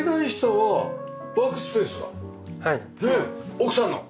奥さんの？